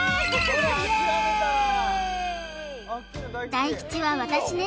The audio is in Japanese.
大吉は私ね